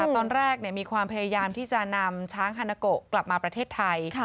ตอนแรกมีความพยายามที่จะนำช้างฮานาโกกลับมาประเทศไทย